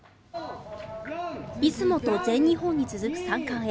出雲と全日本に続く三冠へ。